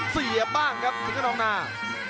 สี่อาบบ้างครับสินกนองนาน